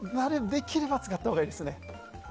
できれば使ったほうがいいですね。